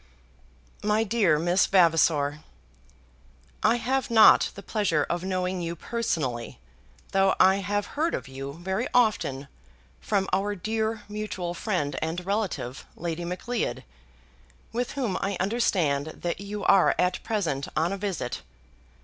MY DEAR MISS VAVASOR, I have not the pleasure of knowing you personally, though I have heard of you very often from our dear mutual friend and relative Lady Macleod, with whom I understand that you are at present on a visit.